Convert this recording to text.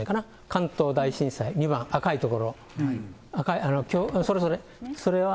関東大震災、２番、赤い所、赤い、それそれ。